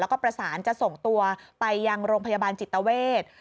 แล้วก็ประสานจะส่งตัวไปยังโรงพยาบาลจิตเวท